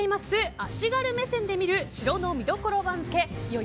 足軽目線で見る城の見どころ番付。